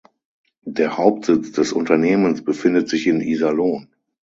Der Hauptsitz des Unternehmens befindet sich in Iserlohn.